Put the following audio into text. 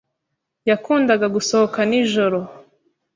Yakundaga gusohoka nijoro.